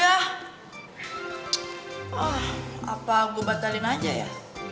ah apa gue batalin aja ya